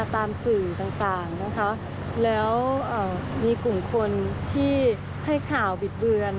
ตามสื่อต่างนะคะแล้วมีกลุ่มคนที่ให้ข่าวบิดเบือน